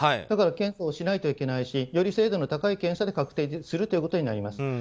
だから検査をしないといけないしより精度の高い検査で確定するということになります。